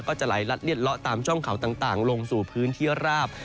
จะไหลลัดเลียดเลาะตามช่องเขาต่างลงสู่พื้นที่ราบ